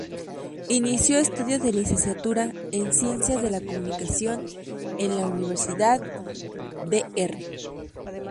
Inició estudios de Licenciatura en Ciencias de la Comunicación en la Universidad "Dr.